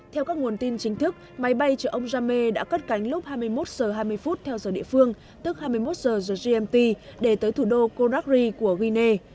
theo các nguồn tin chính thức máy bay chở ông jame đã cất cánh lúc hai mươi một h hai mươi theo giờ địa phương tức hai mươi một h gmt để tới thủ đô coragri của guinea